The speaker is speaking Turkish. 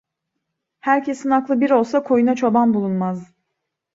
Herkesin aklı bir olsa koyuna çoban bulunmaz.